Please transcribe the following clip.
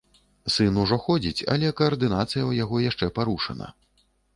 Сын ужо ходзіць, але каардынацыя ў яго яшчэ парушана.